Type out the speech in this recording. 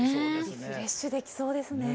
リフレッシュできそうですね。